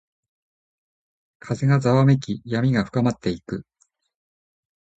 風がざわめき、闇が深まっていく。